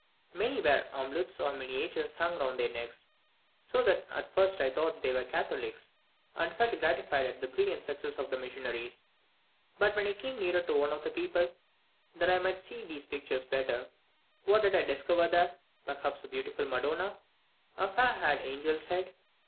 Many wear amulets or miniatures hung round their necks, so that I at first thought they were Catholics, and felt gratified at the brilliant successes of the missionaries. But, when I came nearer to one of the people, that I might see these pictures better, what did I discover there? Perhaps a beautiful Madonna! a fair haired angel's head!